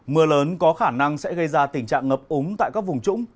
mưa lớn có khả năng sẽ gây ra tình trạng ngập úng tại các vùng trũng